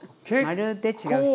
まるで違う。